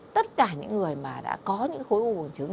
tất cả những người mà đã có những khối u bùn trứng